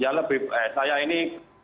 ya lebih saya ini